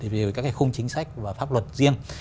vì các khung chính sách và pháp luật riêng